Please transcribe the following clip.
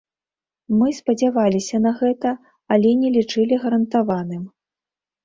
Мы спадзяваліся на гэта, але не лічылі гарантаваным.